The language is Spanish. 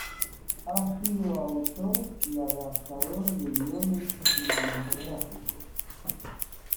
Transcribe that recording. Ha sido autor y adaptador de guiones cinematográficos.